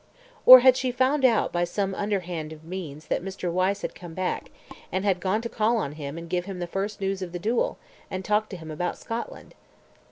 Or had she found out by some underhand means that Mr. Wyse had come back, and had gone to call on him and give him the first news of the duel, and talk to him about Scotland?